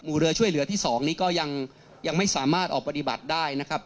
เรือช่วยเหลือที่๒นี้ก็ยังไม่สามารถออกปฏิบัติได้นะครับ